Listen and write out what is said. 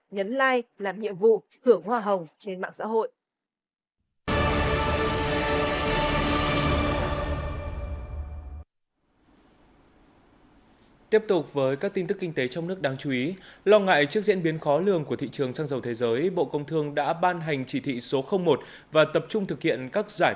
nhấn like làm nhiệm vụ hưởng hoa hồng trên mạng xã hội